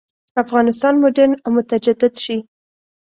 افغانستان مډرن او متجدد شي.